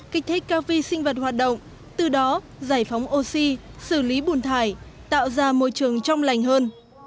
kích thích các vi sinh vật hoạt động từ đó giải phóng oxy xử lý bùn thải tạo ra môi trường trong lành hơn